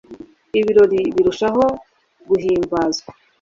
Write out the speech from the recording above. ibirori birushaho guhimbazwa